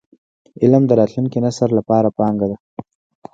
علم د راتلونکي نسل لپاره پانګه ده.